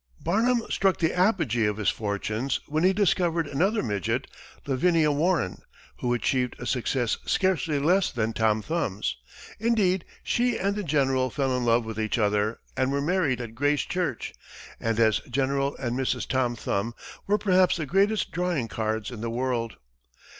Barnum struck the apogee of his fortunes when he discovered another midget, Lavinia Warren, who achieved a success scarcely less than Tom Thumb's. Indeed, she and the General fell in love with each other and were married at Grace Church, and as General and Mrs. Tom Thumb were perhaps the greatest drawing cards in the world.